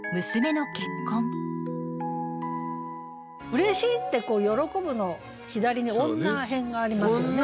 「嬉しい」って「喜ぶ」の左に女偏がありますもんね。